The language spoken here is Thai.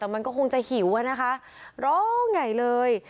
แต่มันก็คงจะหิวอ่ะนะคะนะแหงเลย